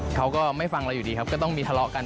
เขาก็ไม่ฟังเราอยู่ดีครับก็ต้องมีทะเลาะกัน